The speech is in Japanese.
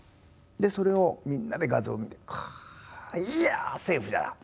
でそれをみんなで画像を見ていやセーフだ！